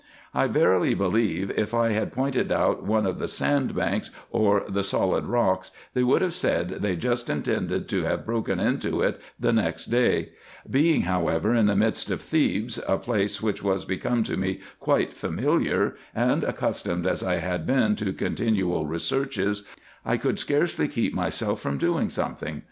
I verily believe, if I had pointed out one of the sandbanks or the solid rocks, they would have said they just intended to have broken into it the next day : being however in the midst of Thebes, a place which was become to me quite familiar, and accustomed as I had been to con tinual researches, 1 could scarcely keep myself from doing something.